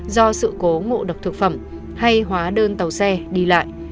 do sự cố ngộ độc thực phẩm hay hóa đơn tàu xe đi lại